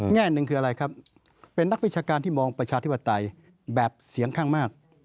แง่หนึ่งคืออะไรครับเป็นนักวิชาการที่มองประชาธิปไตยแบบเสียงข้างมาก